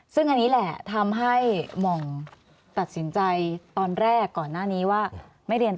ซึ่งอันนี้แหละทำให้หม่องตัดสินใจตอนแรกก่อนหน้านี้ว่าไม่เรียนต่อ